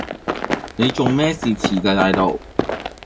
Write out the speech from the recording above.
你仲咩事遲晒大到？